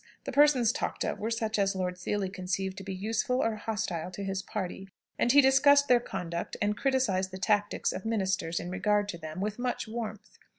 The persons talked of were such as Lord Seely conceived to be useful or hostile to his party, and he discussed their conduct, and criticised the tactics of ministers in regard to them, with much warmth.